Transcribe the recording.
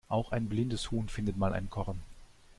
Auch ein blindes Huhn findet mal ein Korn.